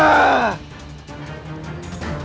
anda tidak tahu